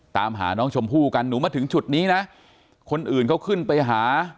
ตามหาน้องชมพู่กันหนูมาถึงจุดนี้นะคนอื่นเขาขึ้นไปหา